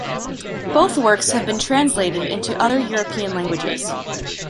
Both works have been translated into other European languages.